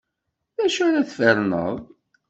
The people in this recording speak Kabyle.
D acu ara tferned?